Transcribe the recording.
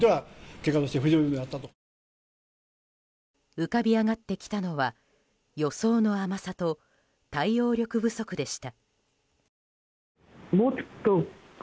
浮かび上がってきたのは予想の甘さと対応力不足でした。